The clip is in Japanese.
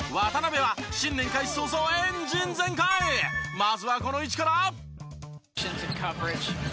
まずはこの位置から。